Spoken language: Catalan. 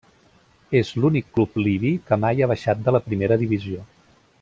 És l'únic club libi que mai ha baixat de la primera divisió.